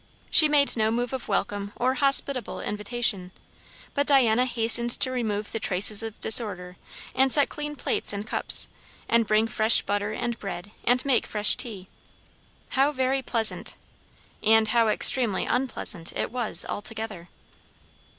She made no move of welcome or hospitable invitation; but Diana hastened to remove the traces of disorder, and set clean plates and cups, and bring fresh butter, and bread, and make fresh tea. How very pleasant, and how extremely unpleasant, it was altogether!